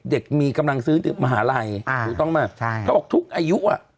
เด็กมีกำลังซื้อมหาลัยอ่าถูกต้องไหมใช่เขาบอกทุกอายุอ่ะ